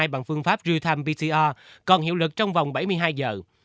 bằng phương pháp real time pcr còn hiệu lực trong vòng bảy mươi hai giờ